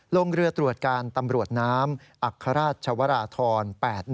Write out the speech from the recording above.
ลงเรือตรวจการตำรวจน้ำอัครราชชวราธร๘๑